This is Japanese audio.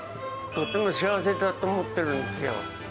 とても幸せだと思ってるんですよ。